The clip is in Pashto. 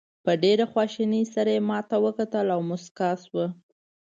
په ډېره خوښۍ سره یې ماته وکتل او موسکاه شوه.